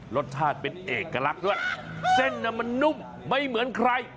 รสชาติเป็นเอกลักษณ์ด้วยเส้นนั้นมันนุ่มไม่เหมือนใคร